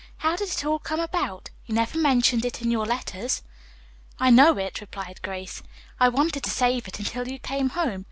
How did it all come about? You never mentioned it in your letters." "I know it," replied Grace, "I wanted to save it until you came home.